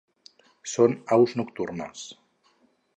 Són aus nocturnes.